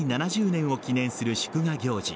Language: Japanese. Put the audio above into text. ７０年を記念する祝賀行事